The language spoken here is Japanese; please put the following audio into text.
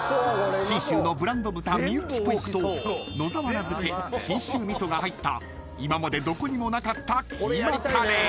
［信州のブランド豚みゆきポークと野沢菜漬け信州味噌が入った今までどこにもなかったキーマカレー］